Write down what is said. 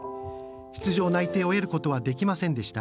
出場内定を得ることはできませんでした。